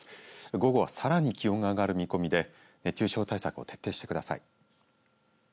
午後はさらに気温が上がる見込みで熱中症対策を徹底してください。